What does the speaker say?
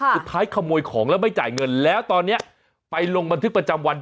ขโมยของแล้วไม่จ่ายเงินแล้วตอนนี้ไปลงบันทึกประจำวัน